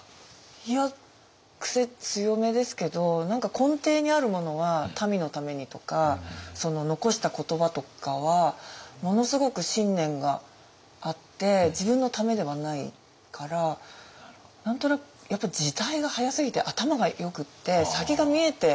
いやクセ強めですけど何か根底にあるものは民のためにとかその残した言葉とかはものすごく信念があって自分のためではないから何となく時代が早すぎて頭がよくって先が見えて。